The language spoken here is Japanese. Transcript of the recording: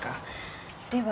では。